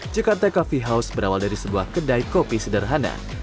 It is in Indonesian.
jakarta coffee house berawal dari sebuah kedai kopi sederhana di kawasan cipete jakarta